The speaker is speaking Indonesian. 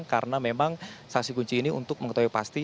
karena memang saksi kunci ini untuk mengetahui pasti